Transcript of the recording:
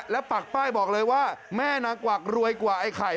แล้วปักป้ายบอกเลยว่าแม่นางกวักรวยกว่าไอ้ไข่